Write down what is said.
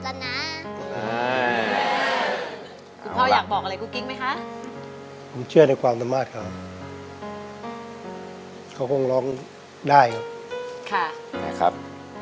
ช่วงนี้เคยมีแต่๕ชักเชียงตัวมาจากข้างหน้าอีกนะครับ